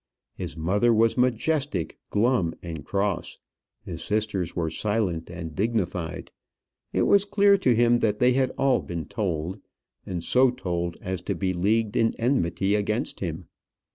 His mother was majestic, glum, and cross; his sisters were silent and dignified. It was clear to him that they had all been told; and so told as to be leagued in enmity against him.